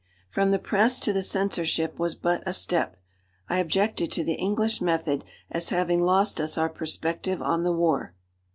From the press to the censorship was but a step. I objected to the English method as having lost us our perspective on the war.